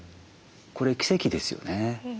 これ奇跡ですよね。